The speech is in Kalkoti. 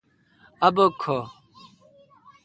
اؘ بک کھو۔